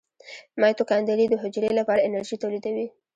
مایتوکاندري د حجرې لپاره انرژي تولیدوي